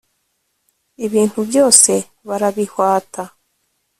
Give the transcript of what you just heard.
Ibintu byose barabihwata